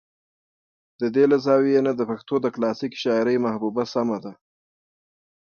د دې له زاويې نه د پښتو د کلاسيکې شاعرۍ محبوبه سمه ده